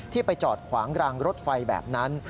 ไปจอดขวางรางรถไฟแบบนั้น